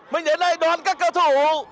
mình đến đây đón các cầu thủ